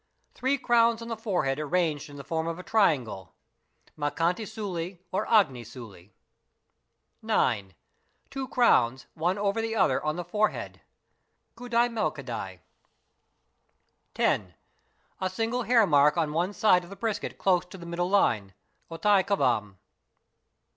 Three crowns on the forehead arranged in the form of a triangle, (mukkanti sult or agni sult). 9. Two crowns one over the other on the forehead, (kudat mel | kudai). 10. A single hairmark on one side of the brisket close to the middle line, (ottai kavam).